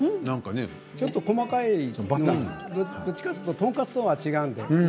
ちょっと細かいどっちかというととんかつと違うんです。